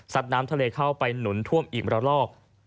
น้ำทะเลเข้าไปหนุนท่วมอีกระลอก